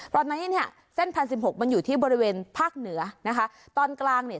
ตอนนี้เนี่ยเส้นพันสิบหกมันอยู่ที่บริเวณภาคเหนือนะคะตอนกลางเนี่ย